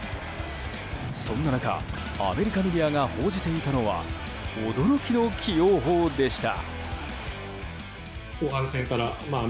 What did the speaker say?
そんな中、アメリカメディアが報じていたのは驚きの起用法でした。